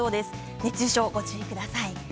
熱中症、ご注意ください。